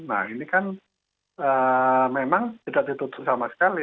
nah ini kan memang tidak ditutup sama sekali